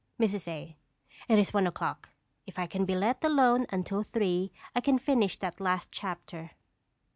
_ Mrs. A. It is one o'clock. If I can be let alone until three I can finish that last chapter.